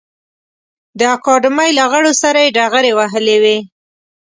د اکاډمۍ له غړو سره یې ډغرې وهلې وې.